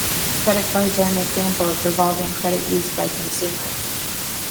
Credit cards are an example of revolving credit used by consumers.